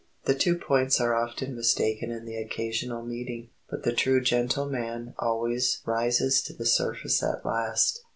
The two points are often mistaken in the occasional meeting, but the true gentleman always rises to the surface at last.